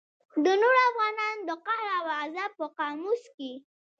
د نورو افغانانو د قهر او غضب په قاموس کې.